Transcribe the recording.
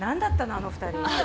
あの２人。